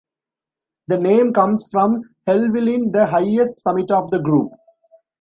The name comes from Helvellyn, the highest summit of the group.